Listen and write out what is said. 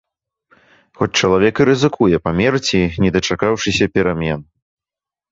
Хоць чалавек і рызыкуе памерці, не дачакаўшыся перамен.